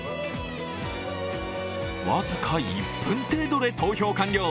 僅か１分程度で投票完了。